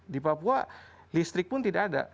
di papua listrik pun tidak ada